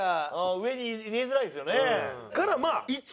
上に入れづらいですよね。